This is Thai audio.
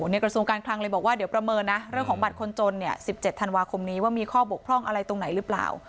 กระทรวงการคลังเลยบอกว่าเดี๋ยวประเมินนะเรื่องของบัตรคนจน๑๗ธันวาคมนี้ว่ามีข้อบกพร่องอะไรตรงไหนหรือเปล่า